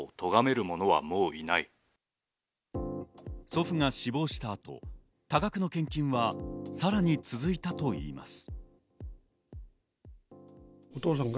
祖父が死亡した後、多額の献金はさらに続いたといいます。